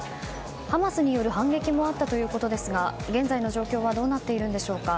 ハマスによる反撃もあったということですが現在の状況はどうなっているんでしょうか。